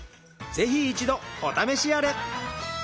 ぜひ一度お試しあれ！